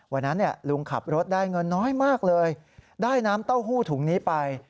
วันนั้นลุงขับรถได้เงินน้อยมากเลยได้น้ำเต้าหู้ถุงนี้ไป